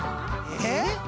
えっ？